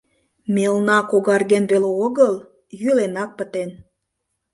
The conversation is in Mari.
Мелна когарген веле огыл — йӱленак пытен.